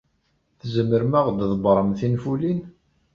Tzemrem ad aɣ-d-tḍebbrem tinfulin?